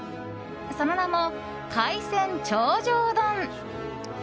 その名も海鮮頂上丼。